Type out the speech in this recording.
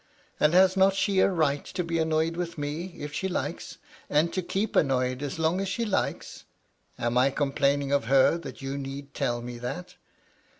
" And has not she a right to be annoyed with me, if she likes, and to keep annoyed as long as she likes ? Am I complaining of her, that you need tell me that